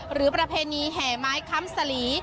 หรือประเพณีแหไม้คล้ำสลี